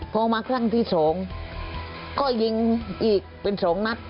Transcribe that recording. พอมาครั้งที่สองก็หญิงอีกเป็นสองนัก